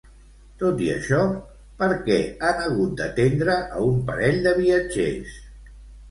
Tot i això, per què han hagut d'atendre a un parell de viatgers?